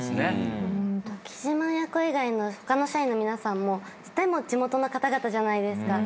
木島親子以外の他の社員の皆さんも地元の方々じゃないですか。